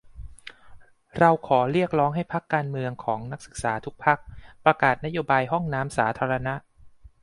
เราขอเรียกร้องให้พรรคการเมืองของนักศึกษาทุกพรรค ประกาศนโยบายห้องน้ำสาธารณะ !